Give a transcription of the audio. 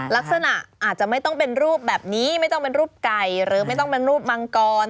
ลักษณะอาจจะไม่ต้องเป็นรูปแบบนี้ไม่ต้องเป็นรูปไก่หรือไม่ต้องเป็นรูปมังกร